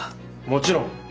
もちろん。